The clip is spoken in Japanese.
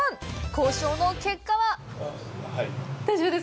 交渉の結果は？